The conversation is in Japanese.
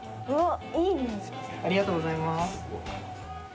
ありがとうございます。